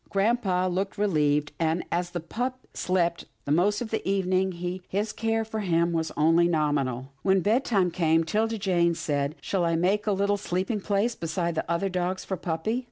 Grampa looked relieved, and, as the pup slept the most of the evening, his care of him was only nominal. When bedtime came, 'Tilda Jane said, " Shall I make up a little sleeping place beside the other dogs for puppy?